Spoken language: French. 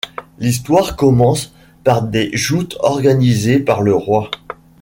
L'histoire commence par des joutes organisées par le roi.